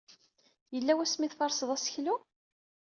Yella wasmi ay tferseḍ aseklu?